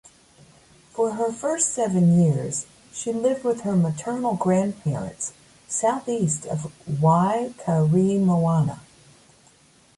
For her first seven years she lived with her maternal grandparents southeast of Waikaremoana.